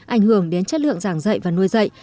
ảnh hưởng đến chất lượng giảng dạy và nuôi dạy